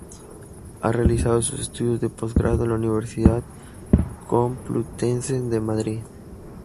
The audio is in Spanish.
Ha realizado sus estudios de postgrado en la Universidad Complutense de Madrid.